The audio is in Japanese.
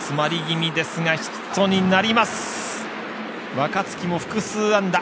若月も複数安打。